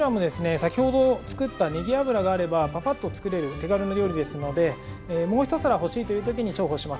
先ほど作ったねぎ油があればパパッと作れる手軽な料理ですのでもう一皿欲しいという時に重宝します。